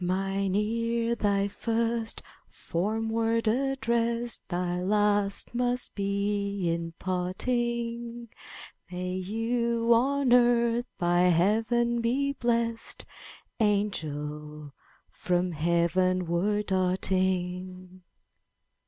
''Mine ear thy first formed word addressed; Thy last must be in parting. May you on earth by Heaven be blessed. Angel, from Heavenward darting!'